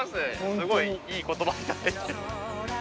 すごいいい言葉を頂いて。